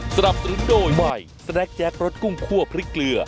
สนับสนุนโดยใหม่สแนคแจ็ครสกุ้งคั่วพริกเกลือ